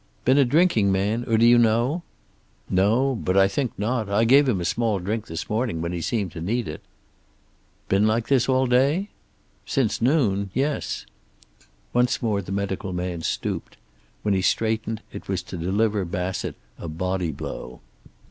"Been a drinking man? Or do you know?" "No. But I think not. I gave him a small drink this morning, when he seemed to need it." "Been like this all day?" "Since noon. Yes." Once more the medical man stooped. When he straightened it was to deliver Bassett a body blow.